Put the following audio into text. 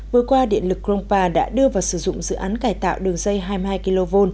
vừa qua điện lực krongpa đã đưa vào sử dụng dự án cải tạo đường dây hai mươi hai kv